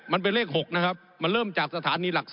ผมอภิปรายเรื่องการขยายสมภาษณ์รถไฟฟ้าสายสีเขียวนะครับ